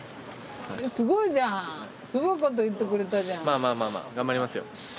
まあまあまあまあ頑張りますよ。